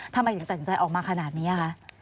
ทำไมถึงตัดสินใจออกมาขนาดนี้คะ